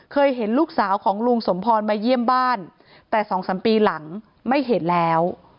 เห็นลูกสาวของลุงสมพรมาเยี่ยมบ้านแต่สองสามปีหลังไม่เห็นแล้ว